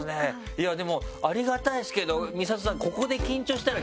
いやでもありがたいですけどＭＩＳＡＴＯさん。